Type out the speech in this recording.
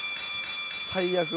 最悪。